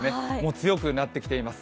強くなってきています